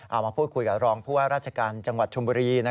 มาพูดคุยกับรองผู้ว่าราชการจังหวัดชมบุรี